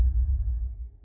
aku gak bisa ketemu mama lagi